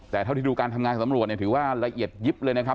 แต่เท่าที่ดูการทำงานสำรวจเนี่ยถือว่าละเอียดยิบเลยนะครับ